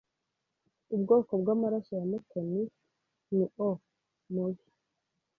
Ubwoko bwamaraso ya Mutoni ni O mubi.